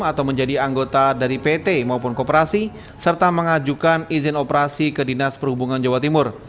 atau menjadi anggota dari pt maupun kooperasi serta mengajukan izin operasi ke dinas perhubungan jawa timur